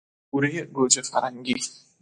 پورهی گوجه فرنگی